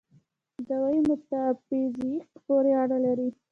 دعوې میتافیزیک پورې اړه لري.